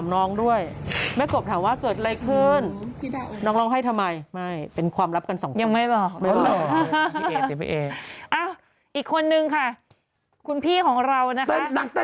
น่ารักให้ทำไมเป็นความลับกันสองเนี่ยยังไม่บอกอ่ะอีกคนนึงค่ะคุณพี่ของเรานะคะ